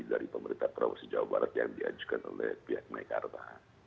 dari pemerintah provinsi jawa barat yang diajukan oleh pihak meikarta